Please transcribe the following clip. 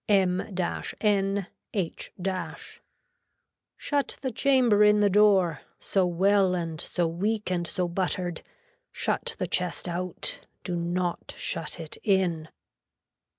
M N. H . Shut the chamber in the door, so well and so weak and so buttered. Shut the chest out, do not shut it in.